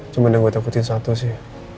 cuman yang gue takutin satu sih